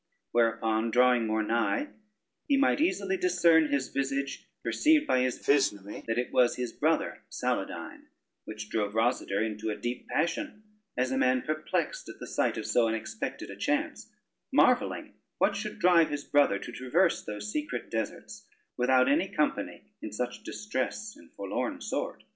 Whereupon drawing more nigh, he might easily discern his visage, perceived by his physnomy that it was his brother Saladyne, which drave Rosader into a deep passion, as a man perplexed at the sight of so unexpected a chance, marvelling what should drive his brother to traverse those secret deserts, without any company, in such distress and forlorn sort.